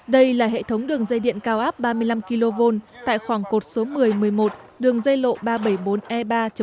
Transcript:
đây là hệ thống đường dây điện cao áp ba mươi năm kv tại khoảng cột số một mươi một mươi một đường dây lộ ba trăm bảy mươi bốn e ba